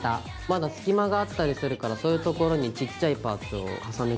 まだ隙間があったりするからそういうところにちっちゃいパーツを重ねちゃう。